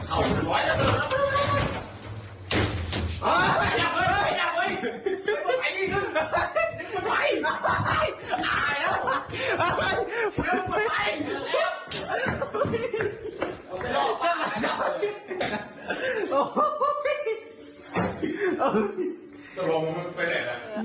เอาไปหลอกป้าเอาไปหลอกป้า